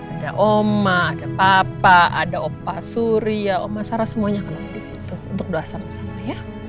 ada omah ada papa ada opa surya oma sara semuanya akan ada disitu untuk doa sama sama ya